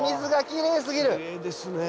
きれいですねえ。